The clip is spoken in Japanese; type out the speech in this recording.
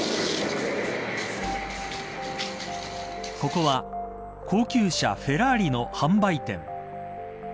ここは高級車フェラーリの販売店。